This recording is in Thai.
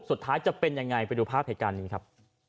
สุดท้ายจะเป็นยังไงไปดูภาพยาการนี้ครับ